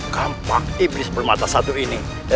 kampak iblis permata satu ini